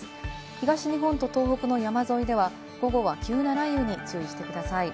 東日本と東北の山沿いでは、午後は急な雷雨に注意してください。